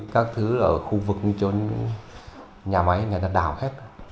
các thứ ở khu vực như chôn